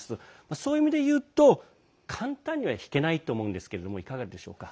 そういう意味でいうと簡単には引けないと思うんですけれどもいかがでしょうか。